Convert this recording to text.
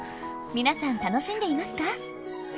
皆さん楽しんでいますか？